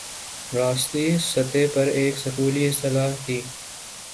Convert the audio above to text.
ریاستی سطح پر ایک سکولی اصطلاح تھِی